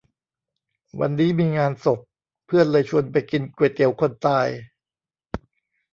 วันนี้มีงานศพ เพื่อนเลยชวนไปกินก๋วยเตี๋ยวคนตาย